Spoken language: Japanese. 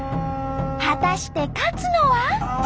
果たして勝つのは。